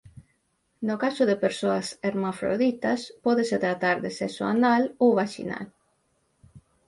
No caso de persoas hermafroditas pódese tratar de sexo anal ou vaxinal.